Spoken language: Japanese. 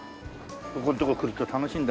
ここのとこ来ると楽しいんだ。